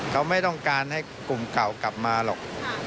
เขาไม่ต้องการให้กลุ่มเก่ากลับมาหรอก